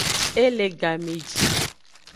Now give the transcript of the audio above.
E le game ji.